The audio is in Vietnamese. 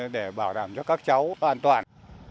để bảo đảm cho các cháu an toàn